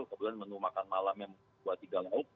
kemudian menu makan malamnya dua tiga lauk